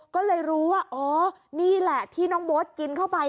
ก็เลยรู้ว่าอ๋อนี่แหละที่น้องโบ๊ทกินเข้าไป